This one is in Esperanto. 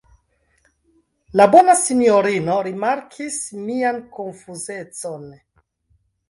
La bona sinjorino rimarkis mian konfuzecon.